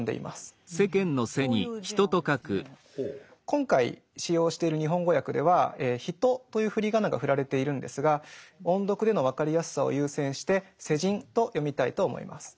今回使用している日本語訳では「ひと」という振り仮名が振られているんですが音読での分かりやすさを優先して「せじん」と読みたいと思います。